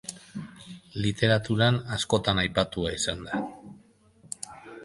Literaturan askotan aipatua izan da.